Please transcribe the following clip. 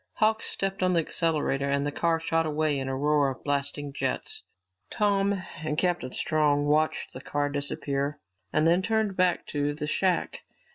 Hawks stepped on the accelerator and the car shot away in a roar of blasting jets. Tom and Captain Strong watched the car disappear and then turned back to the shack.